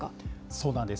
そうなんです。